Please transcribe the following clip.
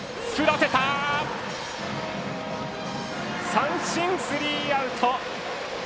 三振、スリーアウト！